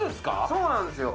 そうなんですよ。